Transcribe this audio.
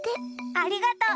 ありがとう。